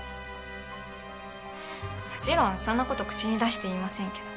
もちろんそんな事口に出して言いませんけど。